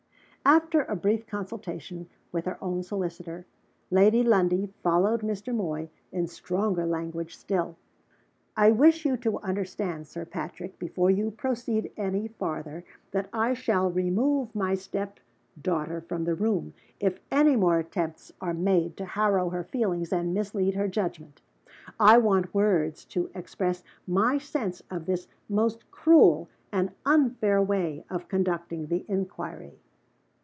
After a brief consultation with her own solicitor, Lady Lundie followed Mr. Moy, in stronger language still. "I wish you to understand, Sir Patrick, before you proceed any farther, that I shall remove my step daughter from the room if any more attempts are made to harrow her feelings and mislead her judgment. I want words to express my sense of this most cruel and unfair way of conducting the inquiry."